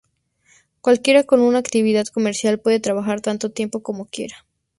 Cualquiera con una actividad comercial puede trabajar tanto tiempo como quiera.